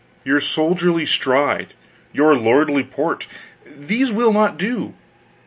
Your soldierly stride, your lordly port these will not do.